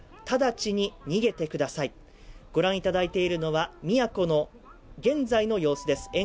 直ちに逃げてください、ご覧いただいているのは、宮古の現在の様子です。